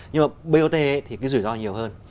nhưng mà bot thì cái rủi ro nhiều hơn